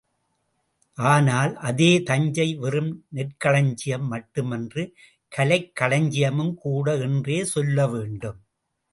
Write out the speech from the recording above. ஆனால், அதே தஞ்சை வெறும் நெற்களஞ்சியம் மட்டுமன்று, கலைக் களஞ்சியமும் கூட என்றே சொல்ல வேண்டும்.